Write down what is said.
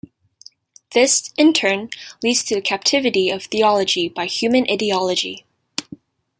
This, in turn, leads to the captivity of theology by human ideology.